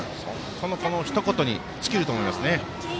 そのひと言に尽きると思います。